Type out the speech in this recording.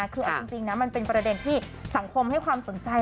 คือเอาจริงนะมันเป็นประเด็นที่สังคมให้ความสนใจ